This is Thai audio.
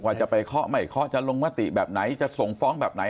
ว่าจะไปเคาะไม่เคาะจะลงมติแบบไหนจะส่งฟ้องแบบไหน